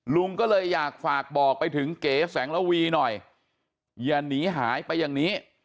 ลุงก็เลยอยากฝากบอกไปถึงเก๋แสงระวีหน่อยอย่าหนีหายไปอย่างนี้